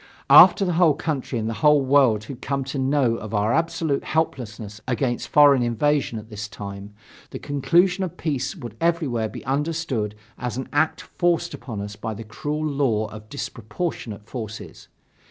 After the whole country and the whole world had come to know of our absolute helplessness against foreign invasion at this time, the conclusion of peace would everywhere be understood as an act forced upon us by the cruel law of disproportionate forces.